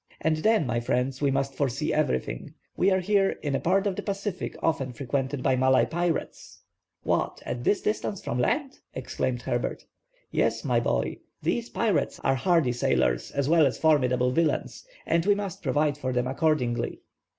And then, my friends, we must foresee everything. We are here in a part of the Pacific often frequented by Malay pirates—" "What, at this distance from land?" exclaimed Herbert. "Yes, my boy, these pirates are hardy sailors as well as formidable villains, and we must provide for them accordingly."